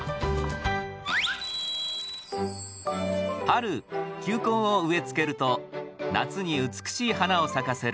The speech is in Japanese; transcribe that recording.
春球根を植えつけると夏に美しい花を咲かせるダリア。